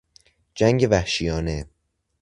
جنگ وحشیانه